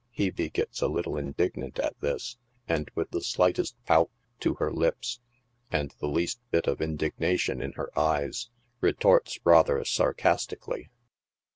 Hebe gets a little indignant at this, and with the slightest pout to her lips, and the least bit of indignation in her eyes, retorts rather sarcastically.